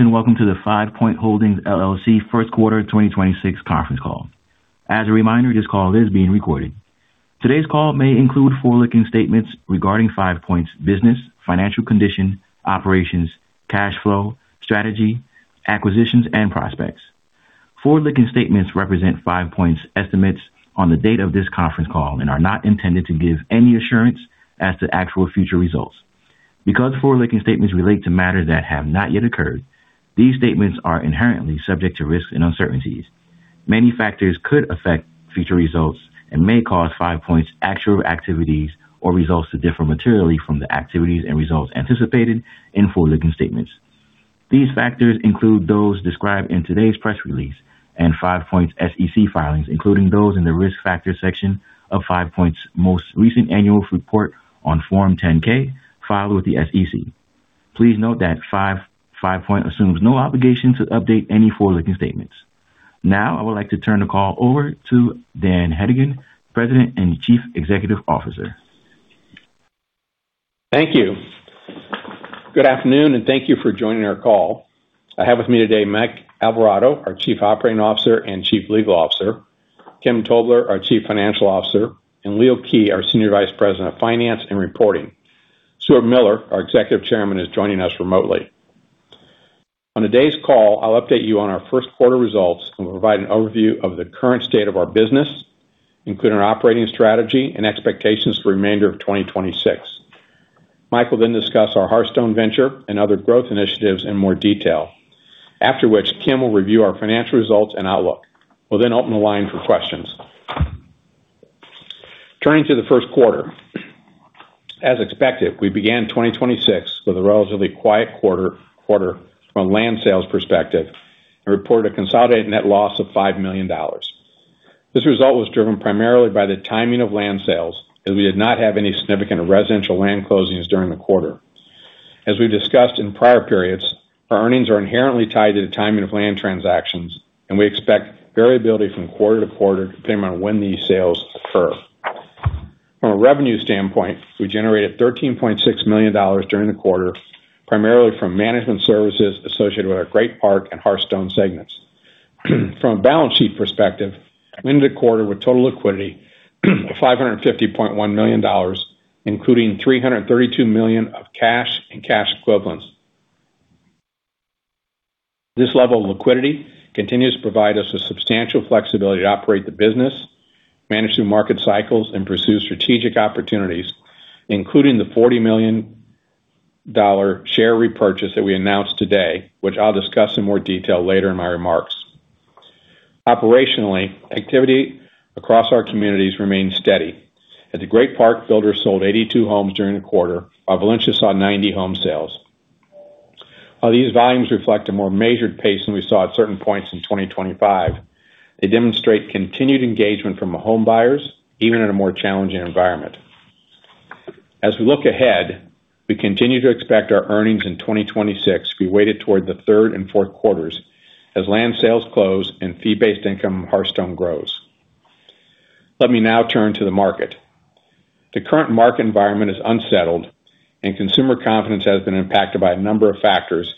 Greetings, and welcome to the Five Point Holdings, LLC Q1 2026 Conference Call. As a reminder, this call is being recorded. Today's call may include forward-looking statements regarding Five Point's business, financial condition, operations, cash flow, strategy, acquisitions, and prospects. Forward-looking statements represent Five Point's estimates on the date of this conference call and are not intended to give any assurance as to actual future results. Because forward-looking statements relate to matters that have not yet occurred, these statements are inherently subject to risks and uncertainties. Many factors could affect future results and may cause Five Point's actual activities or results to differ materially from the activities and results anticipated in forward-looking statements. These factors include those described in today's press release and Five Point's SEC filings, including those in the Risk Factors section of Five Point's most recent annual report on Form 10-K filed with the SEC. Please note that Five Point assumes no obligation to update any forward-looking statements. Now, I would like to turn the call over to Dan Hedigan, President and Chief Executive Officer. Thank you. Good afternoon, and thank you for joining our call. I have with me today Mike Alvarado, our Chief Operating Officer and Chief Legal Officer, Kim Tobler, our Chief Financial Officer, and Leo Kij, our Senior Vice President of Finance and Reporting. Stuart Miller, our Executive Chairman, is joining us remotely. On today's call, I'll update you on our Q1 results and will provide an overview of the current state of our business, including our operating strategy and expectations for the remainder of 2026. Mike will then discuss our Hearthstone venture and other growth initiatives in more detail. After which, Kim will review our financial results and outlook. We'll then open the line for questions. Turning to the Q1. As expected, we began 2026 with a relatively quiet quarter from a land sales perspective and reported a consolidated net loss of $5 million. This result was driven primarily by the timing of land sales, as we did not have any significant residential land closings during the quarter. As we've discussed in prior periods, our earnings are inherently tied to the timing of land transactions, and we expect variability from quarter to quarter depending on when these sales occur. From a revenue standpoint, we generated $13.6 million during the quarter, primarily from management services associated with our Great Park and Hearthstone segments. From a balance sheet perspective, we ended the quarter with total liquidity of $550.1 million, including $332 million of cash and cash equivalents. This level of liquidity continues to provide us with substantial flexibility to operate the business, manage through market cycles, and pursue strategic opportunities, including the $40 million share repurchase that we announced today, which I'll discuss in more detail later in my remarks. Operationally, activity across our communities remained steady. At the Great Park, builders sold 82 homes during the quarter, while Valencia saw 90 home sales. While these volumes reflect a more measured pace than we saw at certain points in 2025, they demonstrate continued engagement from the home buyers, even in a more challenging environment. As we look ahead, we continue to expect our earnings in 2026 to be weighted toward the Q3 and Q4s as land sales close and fee-based income from Hearthstone grows. Let me now turn to the market. The current market environment is unsettled, and consumer confidence has been impacted by a number of factors,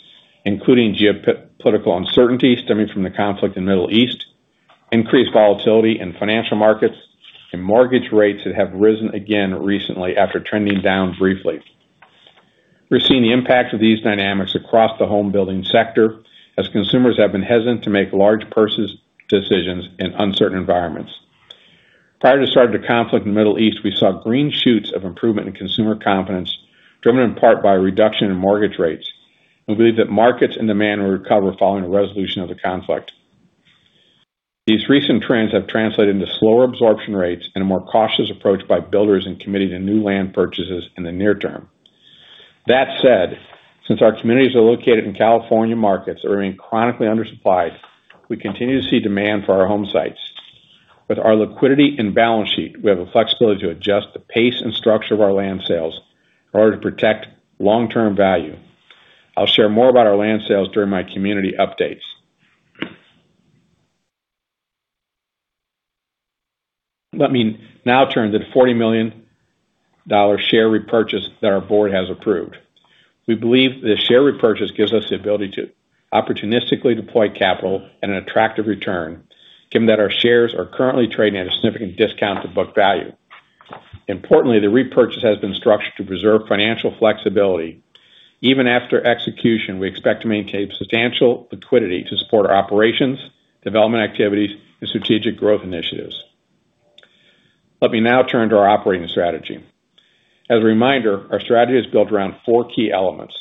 including geopolitical uncertainty stemming from the conflict in Middle East, increased volatility in financial markets, and mortgage rates that have risen again recently after trending down briefly. We're seeing the impact of these dynamics across the home building sector as consumers have been hesitant to make large purchase decisions in uncertain environments. Prior to the start of the conflict in the Middle East, we saw green shoots of improvement in consumer confidence, driven in part by a reduction in mortgage rates. We believe that markets and demand will recover following the resolution of the conflict. These recent trends have translated into slower absorption rates and a more cautious approach by builders in committing to new land purchases in the near term. That said, since our communities are located in California markets that remain chronically undersupplied, we continue to see demand for our homesites. With our liquidity and balance sheet, we have the flexibility to adjust the pace and structure of our land sales in order to protect long-term value. I'll share more about our land sales during my community updates. Let me now turn to the $40 million share repurchase that our board has approved. We believe the share repurchase gives us the ability to opportunistically deploy capital at an attractive return, given that our shares are currently trading at a significant discount to book value. Importantly, the repurchase has been structured to preserve financial flexibility. Even after execution, we expect to maintain substantial liquidity to support our operations, development activities, and strategic growth initiatives. Let me now turn to our operating strategy. As a reminder, our strategy is built around four key elements.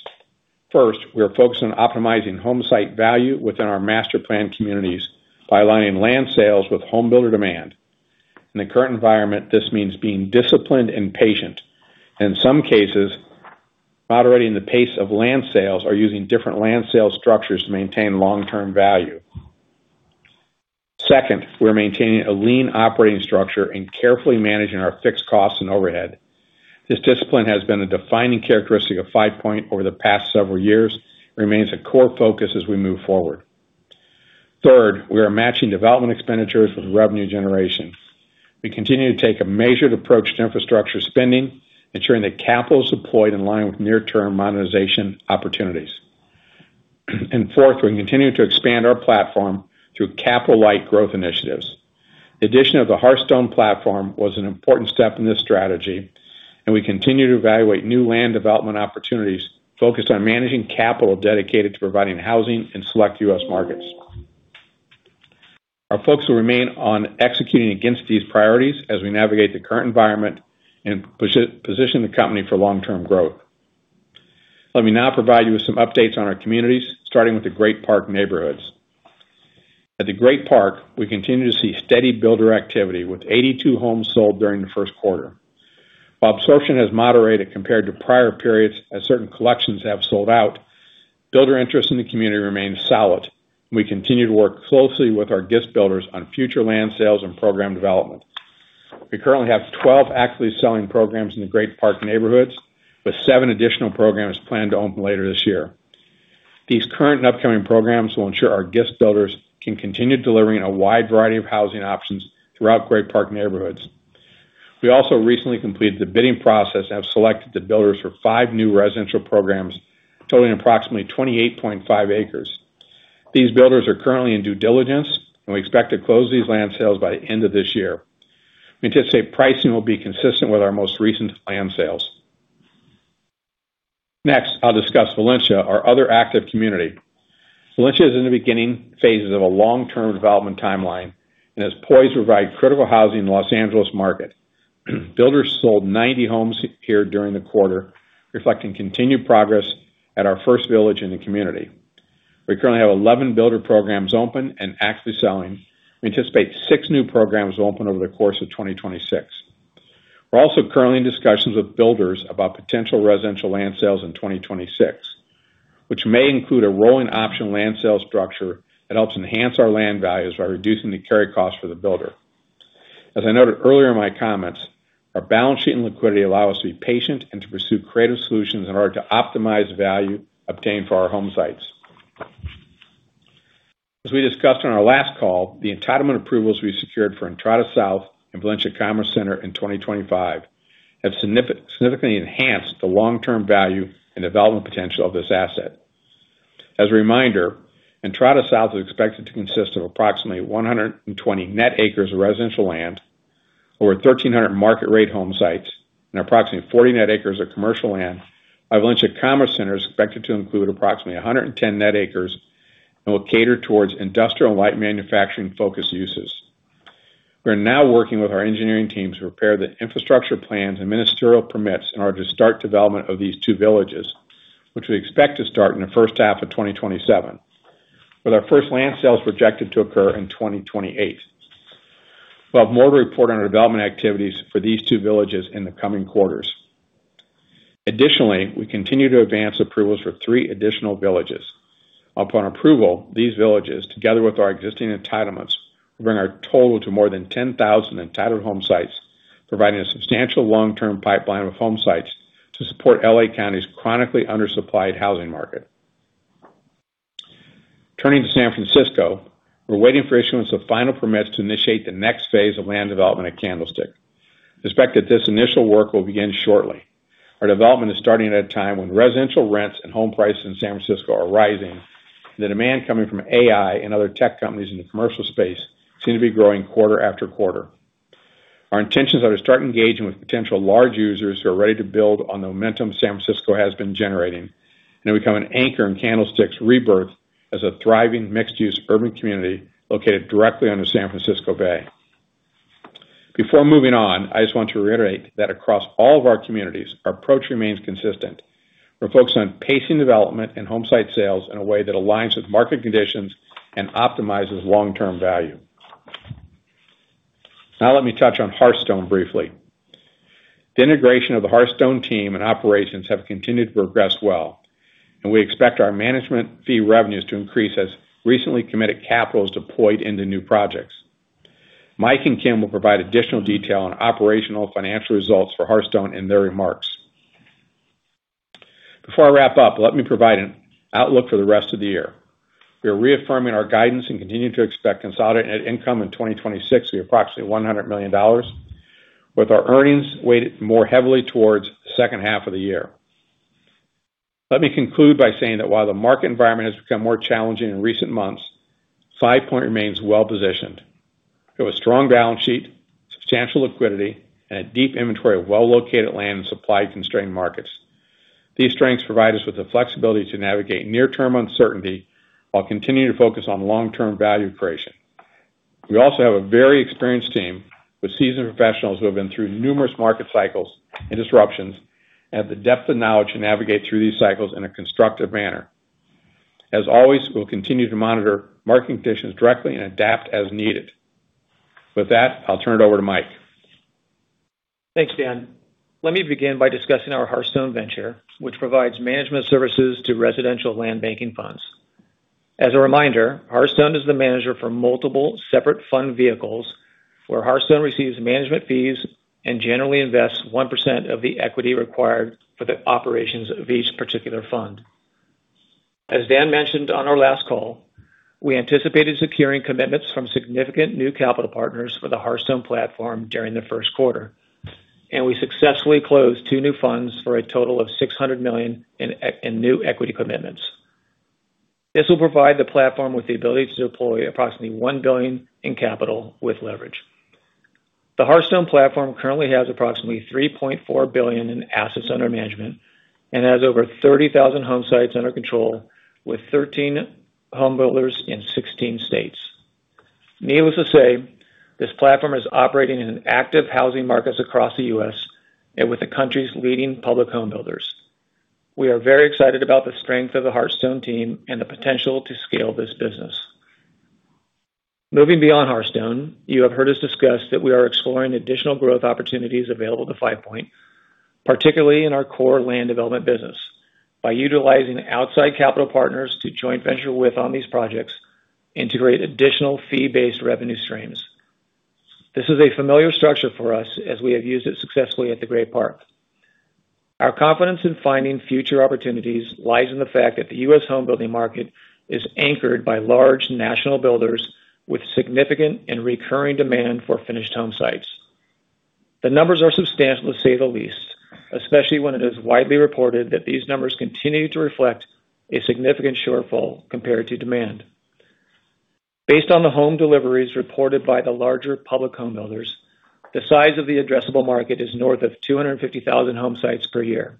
First, we are focused on optimizing homesite value within our master-planned communities by aligning land sales with home builder demand. In the current environment, this means being disciplined and patient, and in some cases, moderating the pace of land sales or using different land sales structures to maintain long-term value. Second, we're maintaining a lean operating structure and carefully managing our fixed costs and overhead. This discipline has been a defining characteristic of Five Point over the past several years and remains a core focus as we move forward. Third, we are matching development expenditures with revenue generation. We continue to take a measured approach to infrastructure spending, ensuring that capital is deployed in line with near-term monetization opportunities. Fourth, we continue to expand our platform through capital-light growth initiatives. The addition of the Hearthstone platform was an important step in this strategy, and we continue to evaluate new land development opportunities focused on managing capital dedicated to providing housing in select U.S. markets. Our focus will remain on executing against these priorities as we navigate the current environment and position the company for long-term growth. Let me now provide you with some updates on our communities, starting with the Great Park neighborhoods. At the Great Park, we continue to see steady builder activity, with 82 homes sold during the Q1. While absorption has moderated compared to prior periods as certain collections have sold out, builder interest in the community remains solid, and we continue to work closely with our guest builders on future land sales and program development. We currently have 12 actively selling programs in the Great Park neighborhoods, with seven additional programs planned to open later this year. These current and upcoming programs will ensure our guest builders can continue delivering a wide variety of housing options throughout Great Park neighborhoods. We also recently completed the bidding process and have selected the builders for five new residential programs totaling approximately 28.5 acres. These builders are currently in due diligence, and we expect to close these land sales by the end of this year. We anticipate pricing will be consistent with our most recent land sales. Next, I'll discuss Valencia, our other active community. Valencia is in the beginning phases of a long-term development timeline and is poised to provide critical housing in the Los Angeles market. Builders sold 90 homes here during the quarter, reflecting continued progress at our first village in the community. We currently have 11 builder programs open and actively selling. We anticipate 6 new programs will open over the course of 2026. We're also currently in discussions with builders about potential residential land sales in 2026. Which may include a rolling option land sale structure that helps enhance our land values by reducing the carry cost for the builder. As I noted earlier in my comments, our balance sheet and liquidity allow us to be patient and to pursue creative solutions in order to optimize value obtained for our homesites. As we discussed on our last call, the entitlement approvals we secured for Entrada South and Valencia Commerce Center in 2025 have significantly enhanced the long-term value and development potential of this asset. As a reminder, Entrada South is expected to consist of approximately 120 net acres of residential land, over 1,300 market-rate homesites, and approximately 40 net acres of commercial land, while Valencia Commerce Center is expected to include approximately 110 net acres and will cater towards industrial light manufacturing-focused uses. We are now working with our engineering team to prepare the infrastructure plans and ministerial permits in order to start development of these two villages, which we expect to start in the H1` of 2027, with our first land sales projected to occur in 2028. We'll have more to report on our development activities for these two villages in the coming quarters. Additionally, we continue to advance approvals for three additional villages. Upon approval, these villages, together with our existing entitlements, will bring our total to more than 10,000 entitled homesites, providing a substantial long-term pipeline of homesites to support L.A. County's chronically undersupplied housing market. Turning to San Francisco, we're waiting for issuance of final permits to initiate the next phase of land development at Candlestick. We expect that this initial work will begin shortly. Our development is starting at a time when residential rents and home prices in San Francisco are rising, and the demand coming from AI and other tech companies in the commercial space seem to be growing quarter after quarter. Our intentions are to start engaging with potential large users who are ready to build on the momentum San Francisco has been generating and become an anchor in Candlestick's rebirth as a thriving mixed-use urban community located directly on the San Francisco Bay. Before moving on, I just want to reiterate that across all of our communities, our approach remains consistent. We're focused on pacing development and homesite sales in a way that aligns with market conditions and optimizes long-term value. Now let me touch on Hearthstone briefly. The integration of the Hearthstone team and operations have continued to progress well, and we expect our management fee revenues to increase as recently committed capital is deployed into new projects. Mike and Kim will provide additional detail on operational financial results for Hearthstone in their remarks. Before I wrap up, let me provide an outlook for the rest of the year. We are reaffirming our guidance and continuing to expect consolidated net income in 2026 to be approximately $100 million, with our earnings weighted more heavily towards the H2 of the year. Let me conclude by saying that while the market environment has become more challenging in recent months, Five Point remains well-positioned with a strong balance sheet, substantial liquidity, and a deep inventory of well-located land in supply-constrained markets. These strengths provide us with the flexibility to navigate near-term uncertainty while continuing to focus on long-term value creation. We also have a very experienced team with seasoned professionals who have been through numerous market cycles and disruptions and have the depth of knowledge to navigate through these cycles in a constructive manner. As always, we'll continue to monitor market conditions directly and adapt as needed. With that, I'll turn it over to Mike. Thanks, Dan. Let me begin by discussing our Hearthstone venture, which provides management services to residential land banking funds. As a reminder, Hearthstone is the manager for multiple separate fund vehicles, where Hearthstone receives management fees and generally invests 1% of the equity required for the operations of each particular fund. As Dan mentioned on our last call, we anticipated securing commitments from significant new capital partners for the Hearthstone platform during the Q1, and we successfully closed two new funds for a total of $600 million in new equity commitments. This will provide the platform with the ability to deploy approximately $1 billion in capital with leverage. The Hearthstone platform currently has approximately $3.4 billion in assets under management and has over 30,000 home sites under control, with 13 home builders in 16 states. Needless to say, this platform is operating in active housing markets across the U.S. and with the country's leading public home builders. We are very excited about the strength of the Hearthstone team and the potential to scale this business. Moving beyond Hearthstone, you have heard us discuss that we are exploring additional growth opportunities available to Five Point, particularly in our core land development business, by utilizing outside capital partners to joint venture with on these projects, integrate additional fee-based revenue streams. This is a familiar structure for us as we have used it successfully at The Great Park. Our confidence in finding future opportunities lies in the fact that the U.S. home building market is anchored by large national builders with significant and recurring demand for finished home sites. The numbers are substantial, to say the least, especially when it is widely reported that these numbers continue to reflect a significant shortfall compared to demand. Based on the home deliveries reported by the larger public home builders, the size of the addressable market is north of 250,000 home sites per year.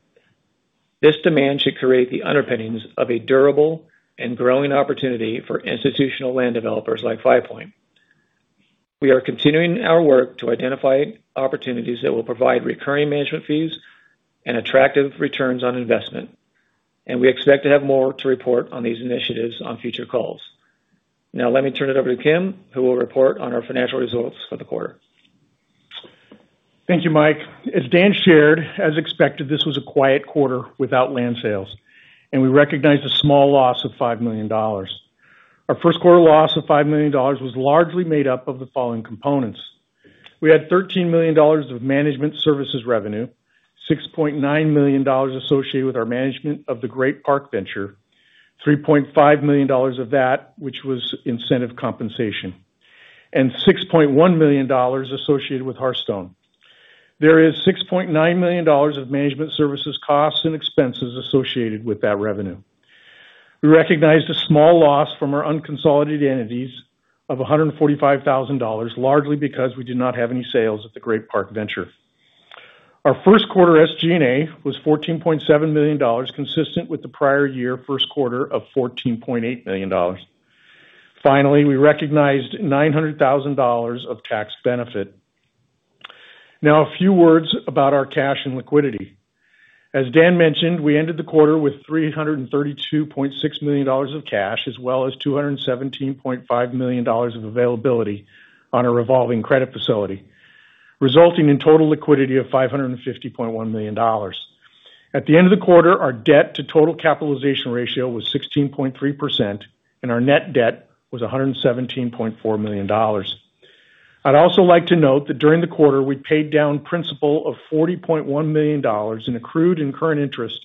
This demand should create the underpinnings of a durable and growing opportunity for institutional land developers like Five Point. We are continuing our work to identify opportunities that will provide recurring management fees and attractive returns on investment, and we expect to have more to report on these initiatives on future calls. Now, let me turn it over to Kim, who will report on our financial results for the quarter. Thank you, Mike. As Dan shared, as expected, this was a quiet quarter without land sales, and we recognized a small loss of $5 million. Our Q1 loss of $5 million was largely made up of the following components. We had $13 million of management services revenue, $6.9 million associated with our management of the Great Park Venture, $3.5 million of that, which was incentive compensation, and $6.1 million associated with Hearthstone. There is $6.9 million of management services costs and expenses associated with that revenue. We recognized a small loss from our unconsolidated entities of $145,000, largely because we did not have any sales at the Great Park Venture. Our Q1 SG&A was $14.7 million, consistent with the prior year Q1 of $14.8 million. Finally, we recognized $900 thousand of tax benefit. Now a few words about our cash and liquidity. As Dan mentioned, we ended the quarter with $332.6 million of cash, as well as $217.5 million of availability on a revolving credit facility, resulting in total liquidity of $550.1 million. At the end of the quarter, our debt-to-total-capitalization ratio was 16.3%, and our net debt was $117.4 million. I'd also like to note that during the quarter, we paid down principal of $40.1 million in accrued and current interest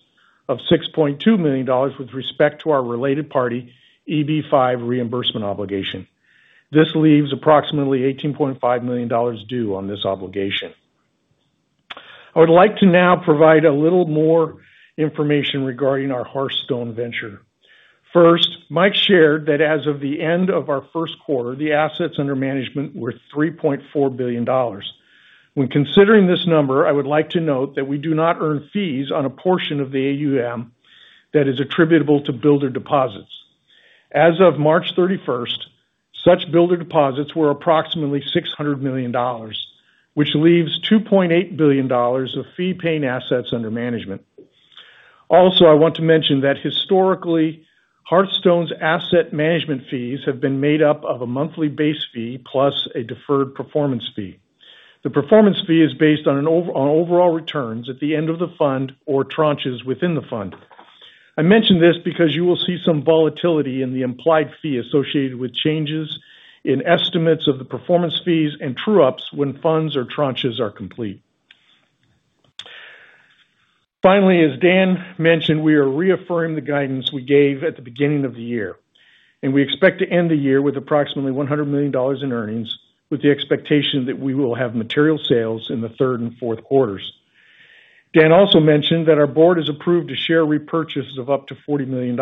of $6.2 million with respect to our related party EB-5 reimbursement obligation. This leaves approximately $18.5 million due on this obligation. I would like to now provide a little more information regarding our Hearthstone venture. First, Mike shared that as of the end of our Q1, the assets under management were $3.4 billion. When considering this number, I would like to note that we do not earn fees on a portion of the AUM that is attributable to builder deposits. As of March 31st, such builder deposits were approximately $600 million, which leaves $2.8 billion of fee paying assets under management. Also, I want to mention that historically, Hearthstone's asset management fees have been made up of a monthly base fee plus a deferred performance fee. The performance fee is based on overall returns at the end of the fund or tranches within the fund. I mention this because you will see some volatility in the implied fee associated with changes in estimates of the performance fees and true-ups when funds or tranches are complete. Finally, as Dan mentioned, we are reaffirming the guidance we gave at the beginning of the year, and we expect to end the year with approximately $100 million in earnings, with the expectation that we will have material sales in the Q3 and Q4s. Dan also mentioned that our board has approved a share repurchase of up to $40 million.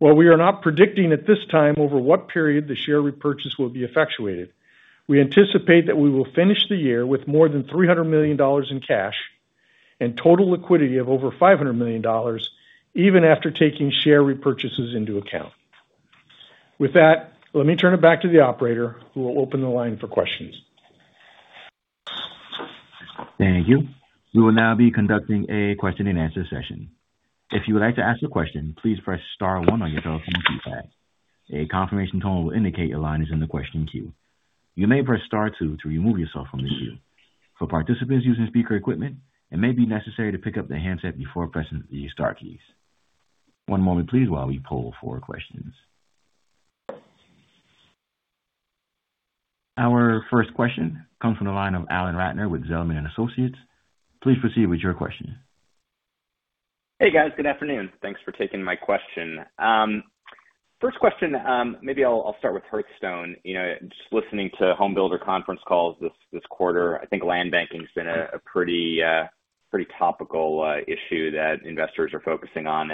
While we are not predicting at this time over what period the share repurchase will be effectuated, we anticipate that we will finish the year with more than $300 million in cash and total liquidity of over $500 million even after taking share repurchases into account. With that, let me turn it back to the operator, who will open the line for questions. Thank you. We will now be conducting a question and answer session. If you would like to ask a question, please press star one on your telephone keypad. A confirmation tone will indicate your line is in the question queue. You may press star two to remove yourself from the queue. For participants using speaker equipment, it may be necessary to pick up the handset before pressing the star keys. One moment, please, while we poll for questions. Our first question comes from the line of Alan Ratner with Zelman & Associates. Please proceed with your question. Hey, guys. Good afternoon. Thanks for taking my question. First question, maybe I'll start with Hearthstone. Just listening to home builder conference calls this quarter, I think land banking's been a pretty topical issue that investors are focusing on.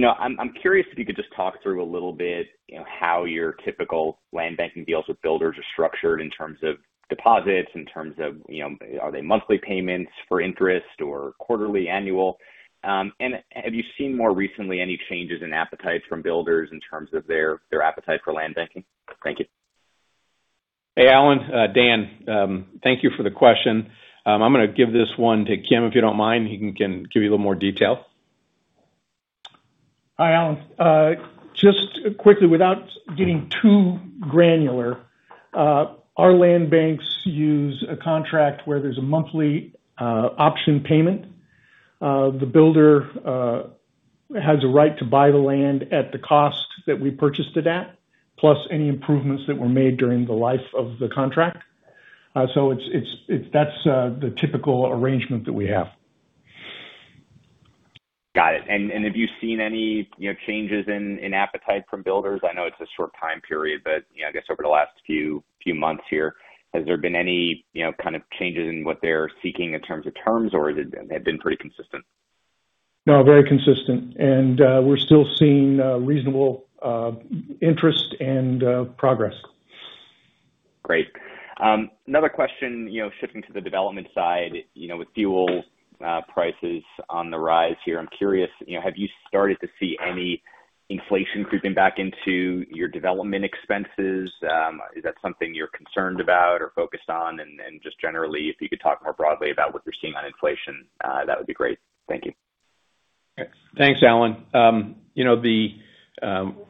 I'm curious if you could just talk through a little bit how your typical land banking deals with builders are structured in terms of deposits, in terms of are they monthly payments for interest or quarterly, annual? Have you seen more recently any changes in appetite from builders in terms of their appetite for land banking? Thank you. Hey, Alan. Dan. Thank you for the question. I'm going to give this one to Kim, if you don't mind. He can give you a little more detail. Hi, Alan. Just quickly, without getting too granular, our land banks use a contract where there's a monthly option payment. The builder has a right to buy the land at the cost that we purchased it at, plus any improvements that were made during the life of the contract. That's the typical arrangement that we have. Got it. Have you seen any changes in appetite from builders? I know it's a short time period, but I guess over the last few months here. Has there been any kind of changes in what they're seeking in terms of terms, or has it been pretty consistent? No, very consistent. We're still seeing reasonable interest and progress. Great. Another question, shifting to the development side. With fuel prices on the rise here, I'm curious, have you started to see any inflation creeping back into your development expenses? Is that something you're concerned about or focused on? And just generally, if you could talk more broadly about what you're seeing on inflation, that would be great. Thank you. Thanks, Alan.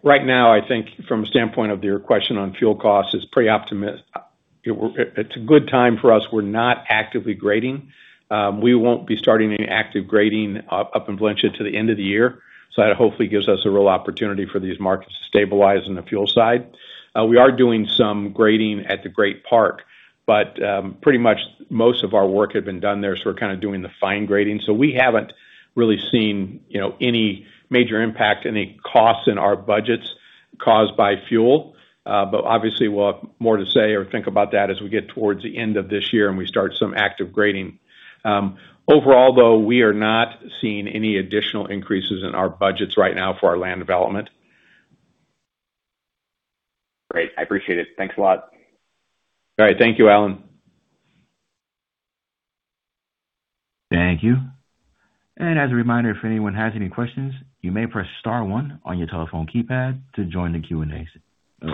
Right now, I think from a standpoint of your question on fuel costs, it's a good time for us. We're not actively grading. We won't be starting any active grading up in Valencia till the end of the year. That hopefully gives us a real opportunity for these markets to stabilize on the fuel side. We are doing some grading at the Great Park, but pretty much most of our work had been done there, so we're kind of doing the fine grading. We haven't really seen any major impact, any costs in our budgets caused by fuel. But obviously, we'll have more to say or think about that as we get towards the end of this year and we start some active grading. Overall, though, we are not seeing any additional increases in our budgets right now for our land development. Great. I appreciate it. Thanks a lot. All right. Thank you, Alan. Thank you. As a reminder, if anyone has any questions, you may press star one on your telephone keypad to join the Q&A. All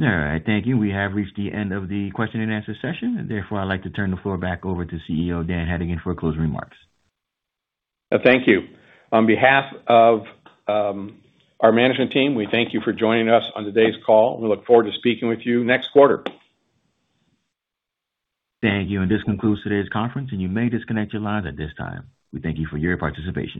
right. Thank you. We have reached the end of the question and answer session. Therefore, I'd like to turn the floor back over to CEO Dan Hedigan for closing remarks. Thank you. On behalf of our management team, we thank you for joining us on today's call, and we look forward to speaking with you next quarter. Thank you. This concludes today's conference, and you may disconnect your lines at this time. We thank you for your participation.